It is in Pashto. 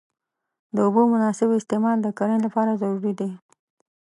د اوبو مناسب استعمال د کرنې لپاره ضروري دی.